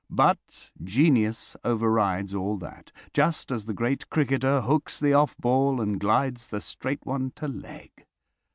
But genius overrides all that, just as the great cricketer hooks the off ball and glides the straight one to leg.